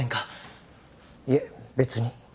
いえ別に。